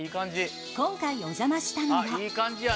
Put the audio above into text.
今回お邪魔したのは。